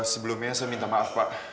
sebelumnya saya minta maaf pak